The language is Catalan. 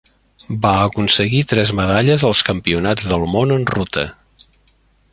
Va aconseguir tres medalles als Campionats del Món en ruta.